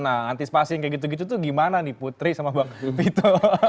nah antispasi yang kayak gitu gitu tuh gimana nih putri sama mbak ketubito